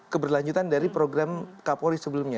keberlanjutan dari program kapolri sebelumnya